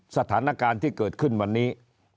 สถานการณ์ที่เกิดขึ้นวันนี้